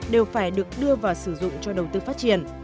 đều phải được đưa vào sử dụng cho đầu tư phát triển